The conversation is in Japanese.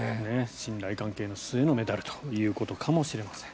信頼関係の末のメダルということかもしれません。